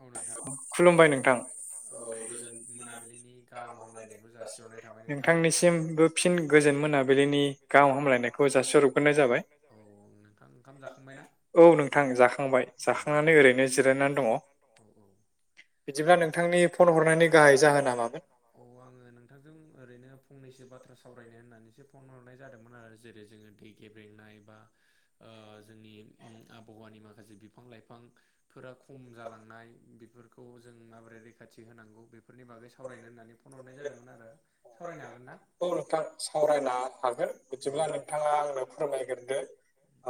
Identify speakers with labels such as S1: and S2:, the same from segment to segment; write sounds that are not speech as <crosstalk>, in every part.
S1: औ नोंथां खुलुमबाय नोंथां औ गोजोन मोनाबिलिनि गाहाम हामलायनायखौ जासि नाय थाब नोंथां।
S2: नोंथांनिसिमबो फिन गोजोन मोनाबिलिनि गाहाम हामलायनायखौ जासिहरग्रोनाय जाबाय
S1: औं नोंथां ओंखाम जाखांबाय ना?
S2: औ नोंथां जाखांबाय जाखांनानै ओरैनो जिरायनानै दङ।
S1: <inaudible>
S2: बिदिब्ला नोंथांनि फन हरनायनि गाहाय जाहोना मामोन?
S1: औ आङो नोंथांजों ओरैनो फंनैसो बाथ्रा सावरायनो होननानैसो फन हरनाय जादोंमोन आरो जेरै जोङो दै गेब्रेंनाय बा ओ जोंनि उम आबहावानि माखासे बिफां लाइफां फोरा खम जालाङो। बेफोरखौ जों माबोरै रैखाथि होनांगौ बेफोरनि बागै सावरायनो होननानै फन हरनाय जादोंमोन आरो सावरायनो हागोन ना।
S2: औ नोंथां सावरायनो हागोन बिदिब्ला
S1: औ
S2: नोंथाङा आंनो फोरमायग्रोदो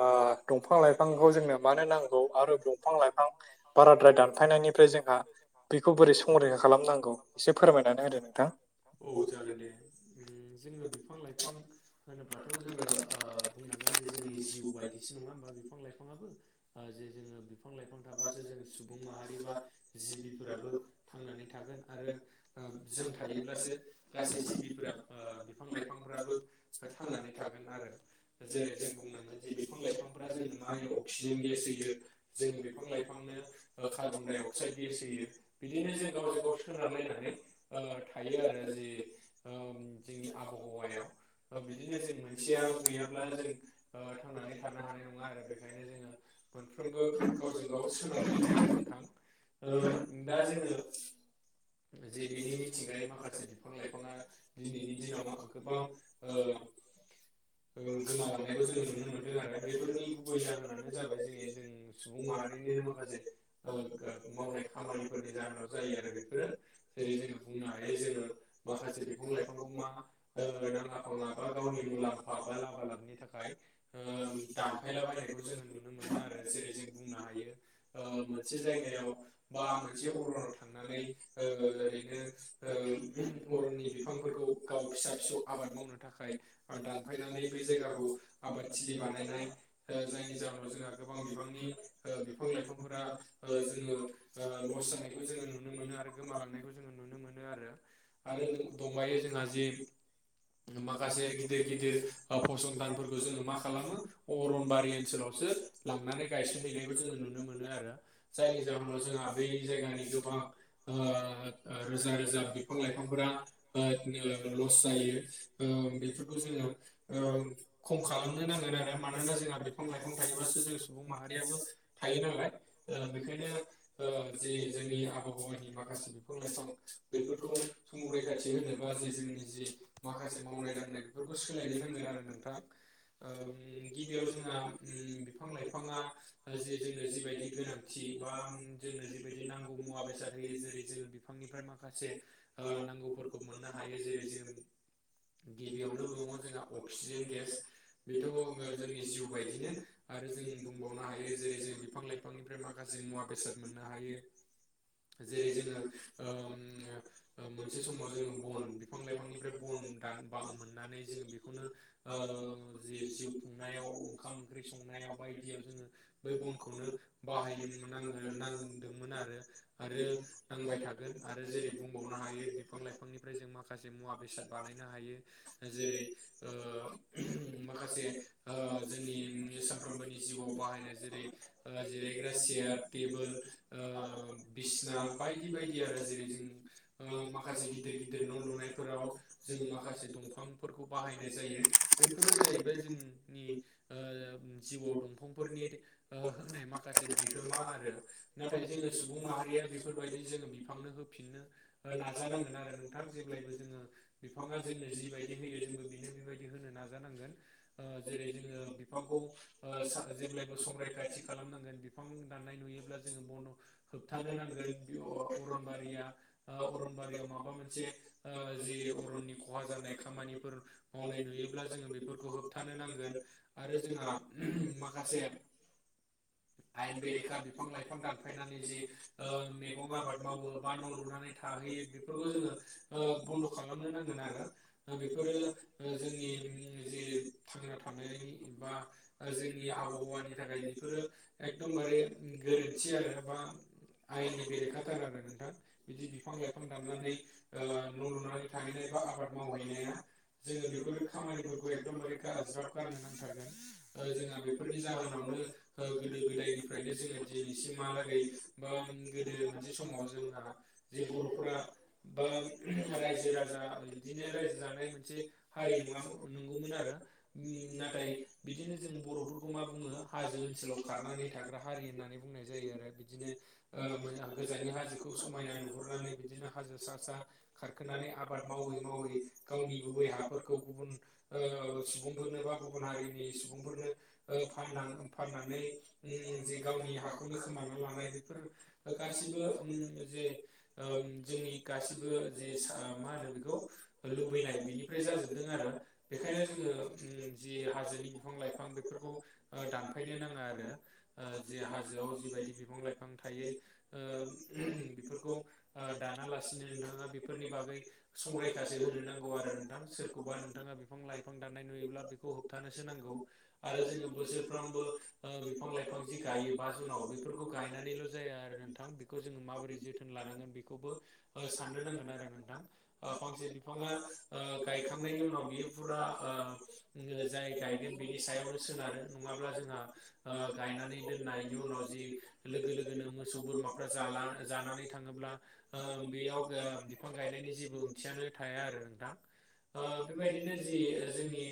S2: ओ
S1: औ
S2: दंफां लाइफांखौ जोंनो मानो नांगौ आरो दंफां लाइफां बाराद्राय दानफायनायनिफ्राय जोंहा बेखौ बोरै संरैखा खालामनांगौ एसे फोरमायनानै होदो नोंथां।
S1: औ जागोन दे ओं जोङो बिफां लाइफां होनोब्लाथ' जोङो ओ बुंनांगोन जे जोंनि जिउ बायदिसो नङा होमबा बिफां लाइफाङाबो ओ जे जोङो बिफां लाइफां थाबासो जों सु सुबुं माहारि बा जिबिफोराबो थांनानै थागोन आरो ओ जों थायोब्लासो गासै जिबिफोरा ओ बिफां लाइफांफ्राबो थांनानै थागोन आरो जेरै जों बुंनांगोन जे बिफां लाइफांफोरा जोंनो मा होयो अक्सिजेन गेस होयो। जोङो बिफां-लाइफांनो कार्बनडाय अक्साइड गेस होयो बिदिनो जों गावजों गाव सोनारलायनानै ओ थायो आरो जि ओम जोंनि आबहावायाव ओ बिदिनो जो जों मोनसेया गैयाब्ला जों थांनानै थानो हानाय नङा आरो बेखायनो जोङो मोनफ्रोमबो गावजों गाव सोनारलायनाय आरो नोंथां ओ दा जोङो जे बिनि मिथिंगानि माखासे बिफां लाइफाङा दिनैनि दिनाव मा गोबां ओ गोमालांनायखौ जोङो नुनो मोन्दों आरो बेफोरनि गुबै जाहोनानो जाबाय जेरै जों सुबुं माहारिनिनो माखासे ओ मावनाय खामानिफोरनि जाहोनाव जायो आरो बेफोरो। जेरै जोङो बुंनो हायो जोङो माखासे बिफां लाइफांखौ मा ओ नाङा फाङा बा गावनि मुलाम्फा बा लाबा लाबनि थाखाय ओ दानफायला बायनायखौ जोङो नुनो मोनो आरो जेरै जों बुंनो हायो ओ मोनसे मोनसे जायगायाव बा मोनसे अरनाव थांनानै ओ ओरैनो ओ अरननि बिफांफोरखौ गाव फिसा फिसौ आबाद मावनो थाखाय। दानफायनानै बे जायगाखौ आबादथिलि बानायनाय ओ जायनि जाहोनाव जोंहा गोबां बिबांनि ओ बिफां लाइफांफोरा। जोङो लस जानायखौ जोङो नुनो मोनो आरो गोमालांनायखौ जोङो नुनो मोनो आरो आरो दंबायो जोंहा जे माखासे गिदिर गिदिर ओ फसंथानफोरखौ जोङो मा खालामो अरनबारि ओनसोलावसो लांनानै गायसनहैनायखौ जोङो नुनो मोनो आरो जायनि जाहोनाव जोंहा बै जायगानि गोबां ओ रोजा रोजा बिफां लाइफांफोरा ओ <unintelligible> लस जायो ओ बेफोरखौ जोङो ओ खम खालामनो नांगोन आरो मानोना जोंहा बिफां लाइफां थायोबासो जों सुबुं माहारियाबो थायो नालाय। ओ बेखायनो ओ जि जोंनि आबहावानि माखासे बिफां लाइफां बेफोरखौ संरैखाथि होनोबा जे जोंनि जि माखासे मावनाय दांनाय बेफोरखौ सोलायनो नांगोन आरो नोंथां। ओम गिबियाव जोंहा ओम बिफां लाइफाङा जे जोंनो जिबायदि गोनां थि बा ओम जोंनो जिबायदि नांगौ मुवा बेसाद होयो जेरै जोङो बिफांनिफ्राय माखासे ओ नांगौफोरखौ मोननो हायो जेरै जोङो गिबियावनो दङ' जोंहा अक्सिजेन गेस बेथ' जोंनि जिउ बायदिनो आरो जों बुंबावनो हायो जेरै जोङो बिफां लाइफांनि माखासे मुवा बेसाद मोननो हायो। जेरै जोङो ओम ओ मोनसे समाव जोङो बन बि फां लाइफांनिफ्राय बन दानोबा मोननानै जों बेखौनो ओ जि जिउ खुंनायाव ओंखाम ओंख्रि संनायाव बायदियाव जोङो बै बनखौनो बाहायनो नांगोन नांदोंमोन आरो आरो नांबाय थागोन आरो जेरै बुंबावनो हायो बिफां लाइफांनिफ्राय जों माखासे मुवा बेसाद बानायनो हायो। जेरै ओ <unintelligible> माखासे ओ जोंनि सानफ्रोमबोनि जिउआव बाहायनाय जेरै ओ जिरायग्रा चेयार टेबोल ओ बिसिना बायदि बायदि आरो जेरै जों ओ मा खासे गिदिर गिदिर न' लुनायफोराव जोङो माखासे दंफांफोरखौ बाहायनाय जायो। बैफोरो जाहैबाय जोंनि ओ जिउआव दंफांफोरनि ओ होनाय मा खासे बिहोमा आरो नाथाय जोङो सुबुं माहारिया बेफोरबायदि जोङो बिफांनो होफिननो ओ नाजानांगोन आरो नोंथां जेब्लायबो जोङो बिफाङा जोंनो जिबायदि होयो जोंबो बिनो बेबायदि होनो नाजानांगोन। ओ जेरै जोङो बिफांखौ ओ जेब्लायबो संरैखाथि खालामनांगोन। बिफां दाननाय नुयोब्ला जोङो बन होबथानो नांगोन बे अरनबारिया ओ अरनबारियाव माबा मोनसे ओ जि अरननि खहा जानाय खामानिफोर मावनाय नुयोब्ला जोङो बेफोरखौ होबथानो नांगोन। आरो जोंहा <unintelligible> माखासे आयेन बेरेखा बिफां लाइफां दानफायनानै जि ओ मेगं आबाद मावो बा न' लुनानै थाहैयो बेफोरखौ जोङो ओ बन्द' खालामनो नांगोन आरो ओ बेफोरो ओ जोंनि जि थांना थानायनि एबा ओ जोंनि आबहावानि थाखाय बेफोरो एकदमबारे गोरोन्थि आरो बा आयेननि बेरेखाथार आरो नोंथां। बिदि बिफां लाइफां दाननानै ओ न' लुनानै थाहैनाय बा आबाद मावहैनाया जोङो बेफोर खामानिफोरखौ एकदमबारे गा ज्राब गारनो नांथारगोन। ओ जोंहा बेफोरनि जाहोनावनो ओ गोदो गोदायनिफ्रायनो जोङो दिनैसिमहालागै बा गोदो मोनसे समाव जोंहा जे बर'फोरा बा रायजो राजा बिदिनो रायजो जानाय मोनसे हारि नङा नंगौमोन आरो उम नाथाय बिदिनो जों बर'फोरखौ मा बुङो हाजो ओनसोलाव खारनानै थाग्रा हारि होननानै बुंनाय जायो आरो बिदिनो ओ मो गोजाननि हाजोखौ समायना नुहुरनानै बिदिनो हाजो सा सा खारखोनानै आबाद मावै मावै गावनि गुबै हाफोरखौ गुबुन ओ सुबुंफोरनोबा गुबुन हारिनि सुबुंफोरनो ओ फाननांगोन फाननानै उम जि गावनि हाखौनो खोमाना लानाय बेफोर गासिबो उम जे ओम जोंनि गासिबो जिस मा होनो बेखौ लुबैनाय बिनिफ्राय जाजोबदों आरो बेखायनो जोङो ओम जि हाजोनि बिफां लाइफां बेफोरखौ ओ दानफायनो नाङा आरो। ओ जे हाजोआव जिबायदि बिफां लाइफां थायो ओ बेफोरखौ ओ दानालासिनो नोंथाङा बेफोरनि बागै संरैखासो होनो नांगौ आरो नोंथां सोरखौबा नोंथाङा बिफां लाइफां दाननाय नुयोब्ला बेखौ होबथानोसो नांगौ। आरो जोङो बोसोरफ्रोमबो ओ बि - बिफां लाइफां जि गायो बा जुनाव बेफोरखौ गायनानैल' जाया आरो नोंथां बेखौ जोङो माबोरै जि जोथोन लानांगोन बेखौबो ओ साननो नांगोन आरो नोंथां। ओ फांसे बिफाङा ओ गायखांनायनि उनाव बियो फुरा ओ ओ जाय गायगोन बिनि सायावनो सोनारो नङाब्ला जोंहा ओ गायनानै दोननायनि उनाव जि लोगो लोगोनो मोसौ बोरमाफ्रा जाला जानानै थाङोब्ला ओ बेयाव गा बिफां गायनायनि जेबो ओंथियानो थाया आरो नोंथां। ओ बेबायदिनो जि जोंनि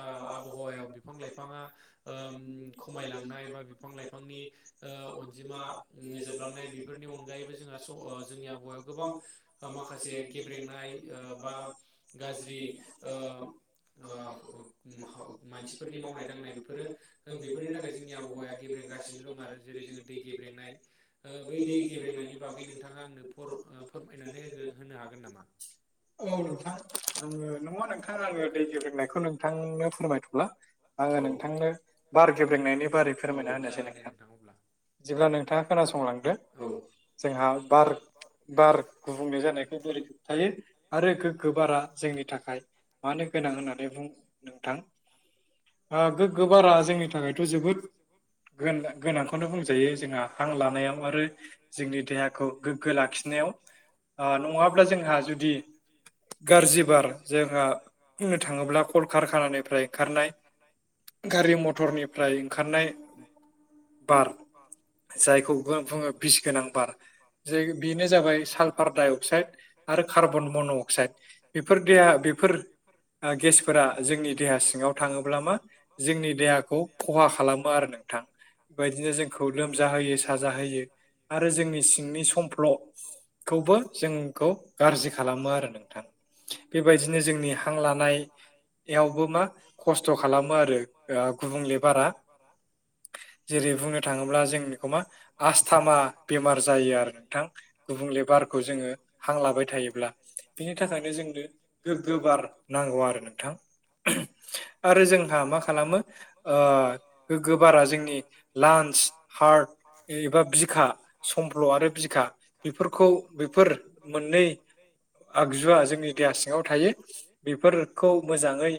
S1: ओ आबहावायाव बिफां लाइफाङा ओम खमायलांनाय बा बिफां लाइफांनि ओ अनजिमा जोबलांनाय बेफोरनि अनगायैबो जोंहा स ओ जोंनि आबहायाव गोबां ओ माखासे गेब्रेंनाय ओ बा गाज्रि ओ ओ अफ उम ह मानसिफोरनि मावनाय दांनाय बेफोरो। बेफोरनि थाखाय जोंनि आबहावाया गेब्रेंगासिनो दं आरो जेरै जोङो दै गेब्रेंनाय ओ बै दै गेब्रेंनायनि बागै नोंथाङा आंनो फर ओ फोरमायनानै होगो होनो हागोन नामा?
S2: औ नोंथां। ओ - अ नोंथां आङो दै गेब्रेंनायखौ नोंथांनो फोरमायथ'ला आङो
S1: औ
S2: नोंथांनो बार गेब्रेंनायनि बारै
S1: औ
S2: फोरमायना होनोसै
S1: जागोन दे
S2: नोंथां।
S1: अब्ला
S2: जेब्ला नोंथाङा खोनासंलांदो। औ। जोंहा बार बार गुबुंले जानायखौ बोरै होबथायो आरो गोग्गो बारा जोंनि थाखाय मानो गोनां होननानै बुं नोंथां ओ गोग्गो बारा जोंनि थाखायथ' जोबोद गोन गोनांखौनो बुं दायो जोंहा हां लानायाव आरो जोंनि देहाखौ गोग्गो लाखिनायाव आ नङाब्ला जोंहा जुदि गारजि बार जोंहा बुंनो थाङोब्ला कल-कारखानानिफ्राय ओंखारनाय
S1: गारि मटर
S2: मथरनिफ्राय ओंखारनाय
S1: खारनाय खारनाय बार बार
S2: जायखौ गो बुङो बिस गोनां बार जे बेनो जाबाय सालफार डाइ अक्साइड आरो कार्बन मन' अक्साइड बेफोर देया बेफोर ओ गेसफोरा जोंनि देहा सिङाव थाङोब्ला मा जोंनि देहाखौ ख'हा खालामो आरो नोंथां बेबादिनो जोंखौ लोमजाहोयो साजा होयो आरो जोंनि सिंनि समफ्ल' खौबो जोंखौ गाज्रि खालामो आरो नोंथां। बेबायदिनो जोंनि हां लानाय यावबो मा खस्थ' खालामो आरो गुबुंले बारा जेरै बुंनो थाङोब्ला जोंनिखौ मा आस्थामा बेमार जायो आरो नोंथां गुबुंले बारखौ जोङो हां लाबाय थायोब्ला बिनि थाखायनो जोंनो गोग्गो बार नांगौ आरो नोंथां
S1: <unintelligible>
S2: आरो जोंहा मा खालामो ओ गोग्गो बारा जोंनि लान हार्ट एबा बिखा समफ्ल' आरो बिखा बेफोरखौ बेफोर मोननै आगजुवा जोंनि देहा सिङाव थायो बेफोरखौ मोजाङै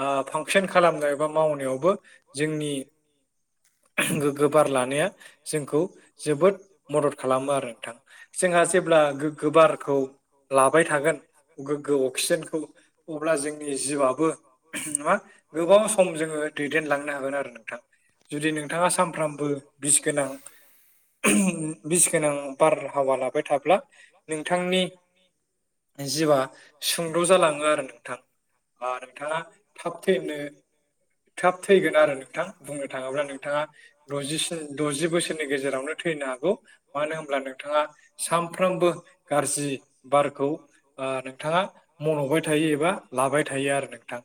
S2: ओ फांसन खालामनाय बा मावनायावबो जोंनि गोबार लानाया जोंखौ जोबोद मदद खालामो आरो नोंथां जोंहा जेब्ला गो गोबार खौ लाबाय थागोन गोग्गो अक्सिजेनखौ अब्ला जोंनि जिउआबो नङा गोबाव सम जोङो दैदेनलांनो हागोन आरो नोंथां जुदि नोंथाङा साम फ्रामबो बिस गोनां बिस गोनां बारहावा लाबाय थाब्ला नोंथांनि जिवा सुंद' जालाङो आरो नोंथां ओ नोंथाङा थाब थैनो थाब थैगोन आरो नोंथां बुंनो थाङोब्ला नोंथाङा दजिस्नि द'जि बोसोरनि गेजेरावनो थैनो हागौ मानो होमब्ला नोंथाङा सानफ्रोमबो गारजि बारखौ ओ नोंथाङा मन'बाय थायो एबा लाबाय थायो आरो नोंथां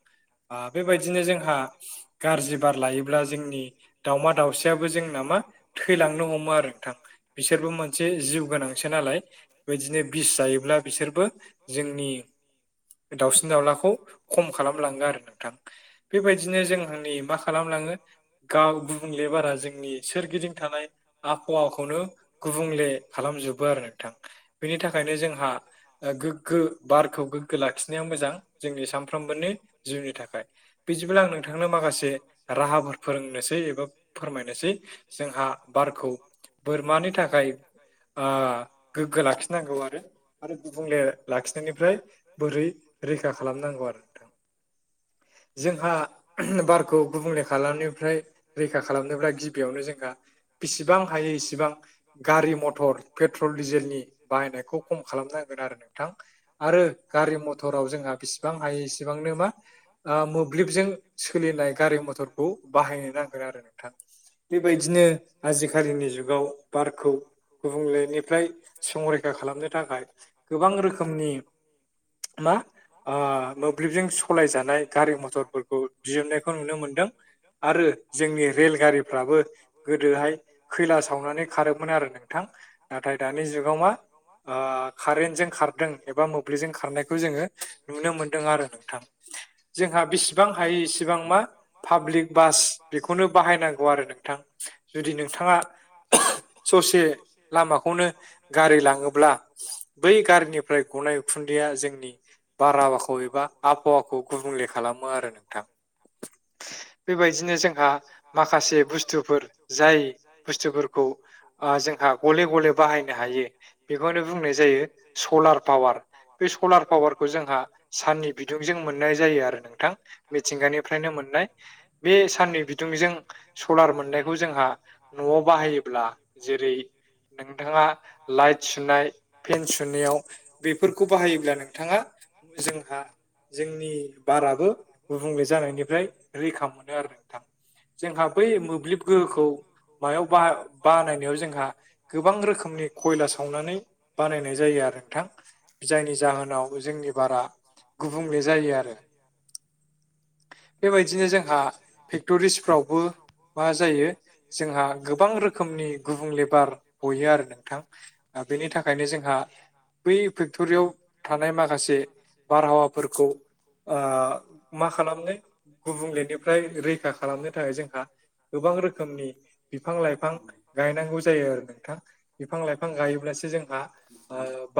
S2: आ बेबायदिनो जोंहा गारजि बार लायोब्ला जोंनि दाउमा दावसियाबो जों ना मा थैलांनो ह'मो आरो नोंथां बिसोरबो मोनसे जिउ गोनांसो नालाय बेबायदिनो बिस जायोब्ला बिसोरबो जोंनि दाउसिन-दाउलाखौ खम खालामलाङो आरो नोंथां बेबायदिनो जोंनि मा खालामलाङो गाव गुबुंले बारा जोंनि सोरगिदिं थानाय आबहावाखौनो गुबुंले खालामजोबो आरो नोंथां बेनि थाखायनो जोंहा ओ गोग्गो बारखौ गोग्गो लाखिनाया मोजां जोंनि सानफ्रोमबोनि जिउनि थाखाय बिदिब्ला आं नोंथांनो माखासे राहाफोर फोरोंनोसै एबा फोरमायनोसै जोंहा बारखौ बोरमानि थाखाय ओ गोग्गो लाखिनांगौ आरो आरो गुबुंले लाखिनायनिफ्राय बोरै रैखा खालामनांगौ आरो नोंथां जोंहा बारखौ गुबुंले खालामनिफ्राय रैखा खालामनोब्ला गिबियावनो जोंहा बेसिबां हायो इसिबां गारि मथर पेट्रल दिडिजेलनि बाहायनायखौ खम खालामनांगोन आरो नोंथां आरो गारि मथराव जोंहा बिसि सेबां हायो इसेबांनो मा ओ मोब्लिबजों सोलिनाय गारि मथरखौ बाहायनो नां फोर आरो नोंथां बेबायदिनो आजिखालिनि जुगाव बारखौ गुबुंलेनिफ्राय संरैखा खालामनो थाखाय गोबां रोखोमनि मा ओ मोब्लिबजों स'लायजानाय गारि-मथरफोरखौ दिहुननायखौ नुनो मोनदों आरो जोंनि रेलगारिफ्राबो गोदोहाय खैला सावनानै खारोमोन आरो नोंथां
S1: <unintelligible>
S2: नाथाय दानि जुगाव मा ओ कारेन्टजों खारदों एबा मोब्लिबजों खारनायखौ जोङो नुनो मोनदों आरो नोंथां जोंहा बेसेबां हायो इसेबां मा पाब्लिक बास बेखौनो बाहायनांगौ आरो नोंथां जुदि नोंथाङा ससे लामाखौनो गारि लाङोब्ला बै गारिनिफ्राय गनाय उखुन्दैया जोंनि बाराबाखौ एबा आबहावाखौ गुबुंले खालामो आरो नोंथां बेबायदिनो जों
S1: बिदिनो जोंहा माखासे बुस्थुफोर जाय बुस्थुफोरखौ
S2: जोंहा गले गले बाहायनो हायो बेखौनो बुंनाय जायो सलार पावार
S1: पावार सलार पावारखौ जोंहा सान्थिनिुं मोननाय जायो
S2: मिथिंगानिफ्रायनो मोननाय
S1: <unintelligible>
S2: जों सलार मोननायखौ जोंहा न'आव बाहायोब्ला जेरै नोंथाङा लाइट सुनाय फेन सुनायाव बेफोरखौ बाहायोब्ला नोंथाङा जोंहा जोंनि बाराबो गुबुंले जानायनिफ्राय रैखा मोनो आरो नोंथां जोंहा बै मोब्लिब गोहोखौ मायाव बानायनायाव जोंहा गोबां रोखोमनि खयला सावनानै बानायनाय जायो आरो नोंथां जायनि जाहोनाव जोंनि बारा गुबुंले जायो आरो बेबायदिनो जोंहा टुरिस्टफ्रावबो मा जायो जोंहा गोबां रोखोमनि गुबुंले बार गयो आरो नोंथां बेनि थाखायनो जोंहा बै फेक्टरियाव थानाय माखासे बारहावाफोरखौ ओ मा खालामनो गुबुंलेनिफ्राय रैखा खालामनो थाखाय जोंहा गोबां रोखोमनि बिफां लाइफां गायनांगौ जायो आरो नोंथां। बिफां लाइफां गायोब्लासो जोंहा ओ बा